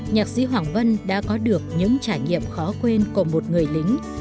nhạc sĩ hoàng vân đã có được những trải nghiệm khó quên của một người lính